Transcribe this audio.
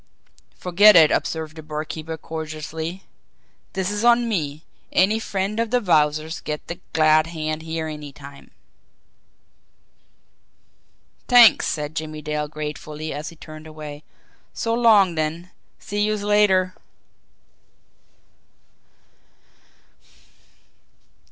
"Forget it!" observed the barkeeper cordially. "Dis is on me. Any friend of de Wowzer's gets de glad hand here any time." "T'anks!" said Jimmie Dale gratefully, as he turned away. "So long, then see youse later."